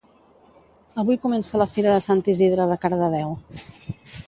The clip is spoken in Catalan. Avui comença la fira de Sant Isidre de Cardedeu